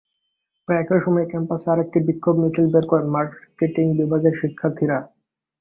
প্রায় একই সময়ে ক্যাম্পাসে আরেকটি বিক্ষোভ মিছিল বের করেন মার্কেটিং বিভাগের শিক্ষার্থীরা।